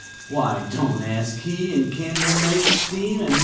Why don't he and Campbell make steam and No.